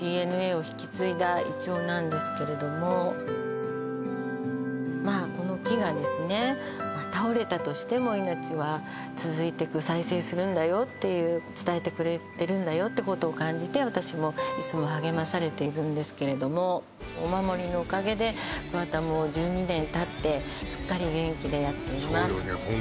ＤＮＡを引き継いだ銀杏なんですけれどもまあこの木がですね再生するんだよっていう伝えてくれてるんだよってことを感じて私もいつも励まされているんですけれどもお守りのおかげで桑田も１２年たってすっかり元気でやっていますそうよね